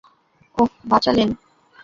ওহ, বাঁচালেন।